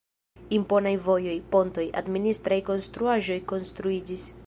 Imponaj vojoj, pontoj, administraj konstruaĵoj konstruiĝis.